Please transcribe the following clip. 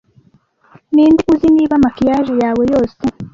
ninde uzi niba maquillage yawe yose